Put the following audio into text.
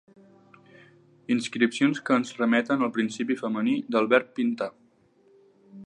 Inscripcions que ens remeten al participi femení del verb pintar.